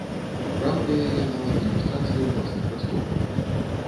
Браў для яе нават ілюстрацыі ўласных раскопак.